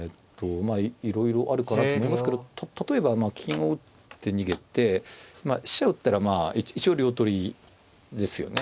まあいろいろあるかなと思いますけど例えば金を打って逃げて飛車打ったら一応両取りですよね。